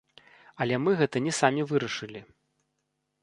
Але мы гэта не самі вырашылі.